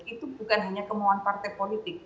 itu bukan hanya kemauan partai politik